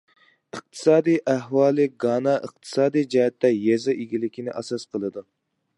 ئىقتىسادىي ئەھۋالى گانا ئىقتىسادىي جەھەتتە يېزا ئىگىلىكىنى ئاساس قىلىدۇ.